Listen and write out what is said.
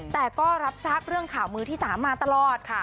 แต่ก็รับทราบเรื่องข่าวมือที่๓มาตลอดค่ะ